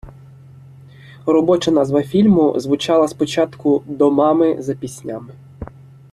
Робоча назва фільму звучала спочатку "До мами за піснями".